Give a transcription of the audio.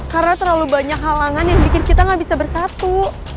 karena terlalu banyak halangan yang bikin kita nggak bisa bersatu